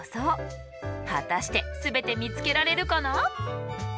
果たして全て見つけられるかな？